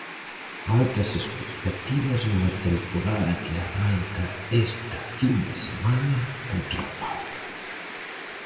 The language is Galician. Altas expectativas nunha temporada que arranca esta fin de semana contra o Palma.